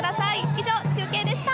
以上、中継でした。